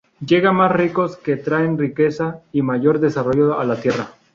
Llegan más ricos que traen riqueza y mayor desarrollo a la tierra.